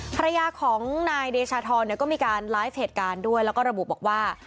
ภรรยาของนายเดชาธรก็มีการไลฟ์เหตุการณ์ด้วยแล้วก็ระบุบอกว่า